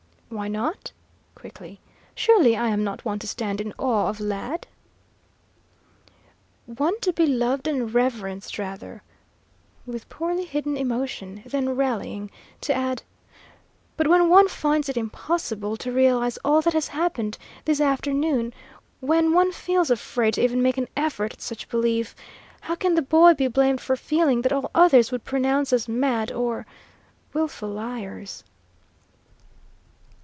"Why not?" quickly. "Surely I am not one to stand in awe of, lad?" "One to be loved and reverenced, rather," with poorly hidden emotion; then rallying, to add, "But when one finds it impossible to realise all that has happened this afternoon, when one feels afraid to even make an effort at such belief, how can the boy be blamed for feeling that all others would pronounce us mad or wilful liars?"